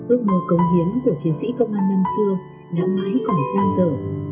ước mơ cống hiến của chiến sĩ công an năm xưa đã mãi còn giang dở